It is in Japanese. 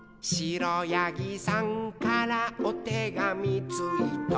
「くろやぎさんからおてがみついた」